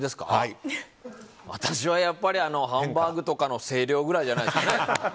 私はハンバーグとかの声量ぐらいじゃないですかね。